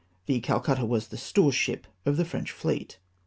The Calcutta was the storeship of the French fleet.